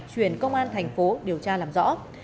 chuyển công an thành phố điều tra làm rõ